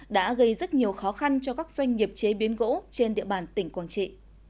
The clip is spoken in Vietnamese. đã gây rất nhiều khó khăn cho các doanh nghiệp chế biến gỗ trên địa bàn tỉnh quảng trị